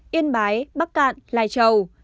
yên bái bắc cạn lai châu